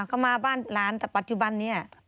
เขามาบ้านหลานแต่ปัจจุบันนี้